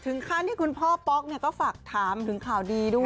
ขั้นที่คุณพ่อป๊อกก็ฝากถามถึงข่าวดีด้วย